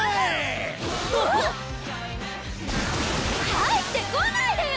⁉入ってこないでよ！